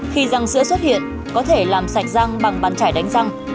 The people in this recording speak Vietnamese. khi răng sữa xuất hiện có thể làm sạch răng bằng bàn chải đánh răng